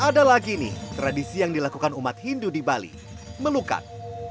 adalah gini tradisi yang dilakukan umat hindu di bali melukat